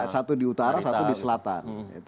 satu di utara satu di selatan